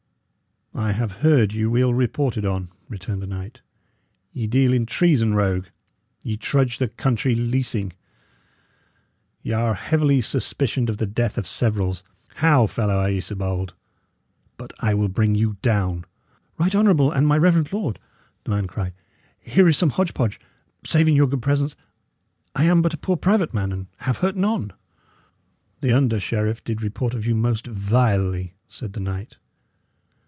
"I have heard you ill reported on," returned the knight. "Ye deal in treason, rogue; ye trudge the country leasing; y' are heavily suspicioned of the death of severals. How, fellow, are ye so bold? But I will bring you down." "Right honourable and my reverend lord," the man cried, "here is some hodge podge, saving your good presence. I am but a poor private man, and have hurt none." "The under sheriff did report of you most vilely," said the knight.